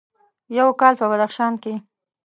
یو کال په بدخشان کې: